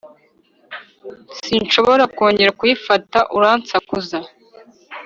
sinshobora kongera kuyifata, uransakuza